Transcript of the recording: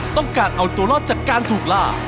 ต้องการเอาตัวรอดจากการถูกลาก